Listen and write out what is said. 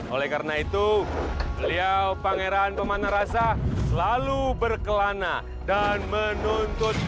oleh karena itu beliau pangeran pemandang rasa selalu berkelana dan menuntut